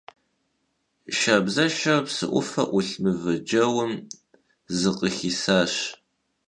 Şşabzeşşem psı 'ufem 'ulh mıvecêym zıkhıxisaş.